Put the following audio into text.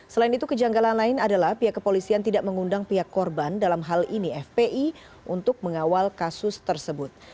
selain itu kejanggalan lain adalah pihak kepolisian tidak mengundang pihak korban dalam hal ini fpi untuk mengawal kasus tersebut